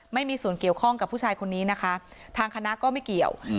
ไม่มีส่วนเกี่ยวข้องกับผู้ชายคนนี้นะคะทางคณะก็ไม่เกี่ยว